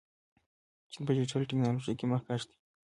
چین په ډیجیټل تکنالوژۍ کې مخکښ دی.